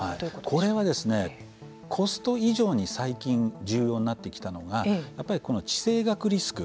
これはコスト以上に最近重要になってきたのが地政学リスク